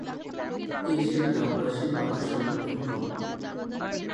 এসে গ্রামবাসীর বাধার সম্মুখীন হন।